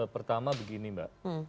pertama begini mbak